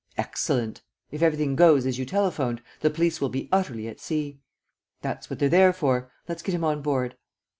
"Excellent. If everything goes as you telephoned, the police will be utterly at sea." "That's what they're there for. Let's get him on board."